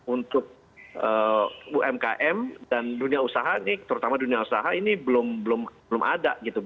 untuk umkm dan dunia usaha terutama dunia usaha ini belum ada gitu